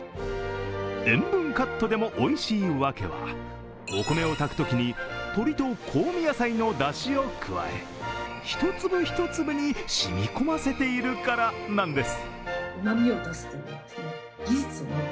塩分カットでもおいしいわけはお米を炊くときに鶏と香味野菜のだしを加え、一粒一粒に染み込ませているからなんです。